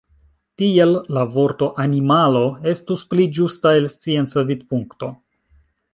Tiel la vorto „animalo” estus pli ĝusta el scienca vidpunkto.